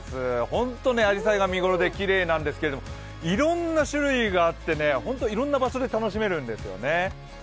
ホント、あじさいが見頃できれいなんですけれども、いろんな種類があって、いろんな場所で楽しめるんですよね。